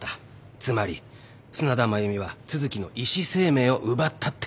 つまり砂田繭美は都築の医師生命を奪ったってわけだ。